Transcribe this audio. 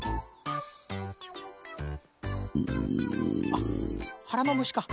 あっはらのむしか。